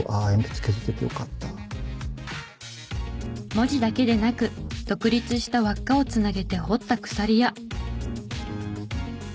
文字だけでなく独立した輪っかを繋げて彫った鎖や。